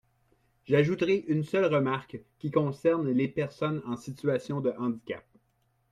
J’ajouterai une seule remarque, qui concerne les personnes en situation de handicap.